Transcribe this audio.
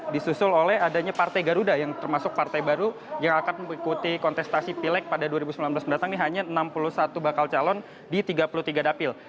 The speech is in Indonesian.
disusul oleh adanya partai garuda yang termasuk partai baru yang akan mengikuti kontestasi pilek pada dua ribu sembilan belas mendatang ini hanya enam puluh satu bakal calon di tiga puluh tiga dapil